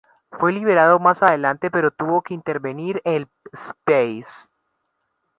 Fue liberado más adelante, pero tuvo que intervenir el Spes.